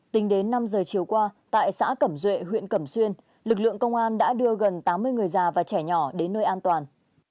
tính đến năm giờ chiều qua tại xã cẩm duệ huyện cẩm xuyên lực lượng công an đã đưa gần tám mươi người già và trẻ nhỏ đến nơi an toàn